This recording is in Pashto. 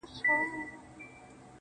دعا ، دعا ،دعا ، دعا كومه,